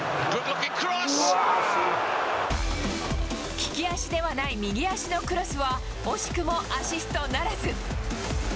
利き足ではない右足のクロスは、惜しくもアシストならず。